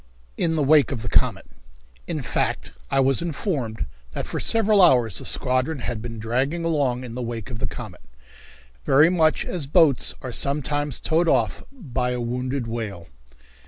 In the Wake of the Comet. In fact, I was informed that for several hours the squadron had been dragging along in the wake of a comet, very much as boats are sometimes towed off by a wounded whale.